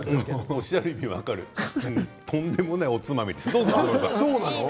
おっしゃることが分かるとんでもないおつまみです。